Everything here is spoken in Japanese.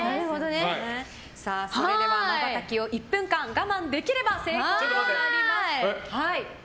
それでは、まばたきを１分間、我慢できれば成功となります。